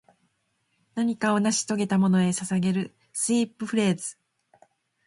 何かを成し遂げたものへ捧げるスウィープフレーズ